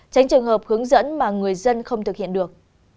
tránh trường hợp hướng dẫn mà người dân không thực hiện được